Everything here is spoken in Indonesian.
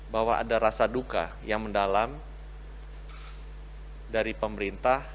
bahwa ada rasa duka yang mendalam dari pemerintah